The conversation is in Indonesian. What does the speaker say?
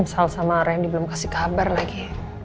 salah sama rendy belum kasih kabar lagi